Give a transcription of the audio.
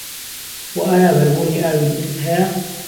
وه ئایا بەربوونی ئاوی لوتت هەیە؟